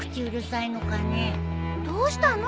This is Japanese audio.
どうしたの？